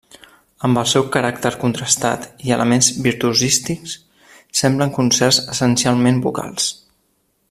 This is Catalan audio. Amb el seu caràcter contrastat i elements virtuosístics semblen concerts essencialment vocals.